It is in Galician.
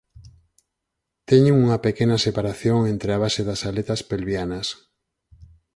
Teñen unha pequena separación entre a base das aletas pelvianas.